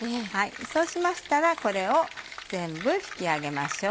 そうしましたらこれを全部引き上げましょう。